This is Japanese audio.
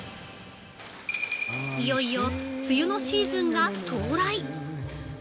いよいよ梅雨のシーズンが到来。